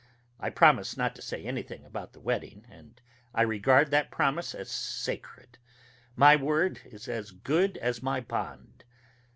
I promised not to say anything about the wedding, and I regard that promise as sacred my word is as good as my bond....